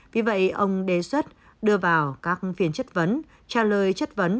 vì vậy ông đề xuất đưa vào các phiên chất vấn trả lời chất vấn